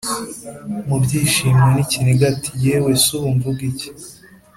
mubyishimo nikiniga ati"yewe subu mvugiki